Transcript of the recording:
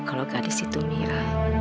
kalau gadis itu mira